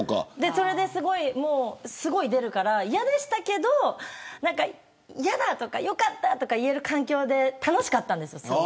それで、すごい出るから嫌でしたけど嫌だとかよかったとか言える環境で楽しかったんですよ。